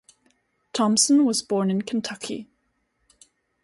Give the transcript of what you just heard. Thompson was born in Kentucky.